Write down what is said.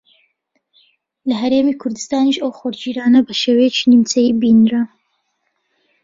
لە ھەرێمی کوردستانیش ئەو خۆرگیرانە بە شێوەیەکی نیمچەیی بیندرا